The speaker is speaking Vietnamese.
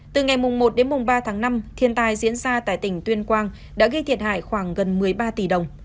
từ ngày một đến ba tháng năm thiên tai diễn ra tại tỉnh tuyên quang đã gây thiệt hại khoảng gần một mươi ba tỷ đồng